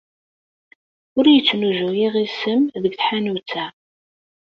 Ur yettnuzu yiɣisem deg tḥanut-a.